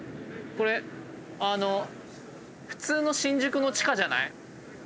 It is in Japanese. これあの普通の新宿の地下じゃない？